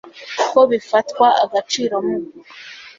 ko bifatwa agaciro mu